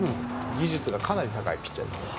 技術がかなり高いピッチャーです。